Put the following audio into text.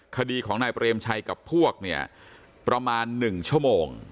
คดีของนายเปรมชัยกับพวกเนี่ยประมาณ๑ชั่วโมง